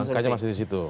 oh makanya masih di situ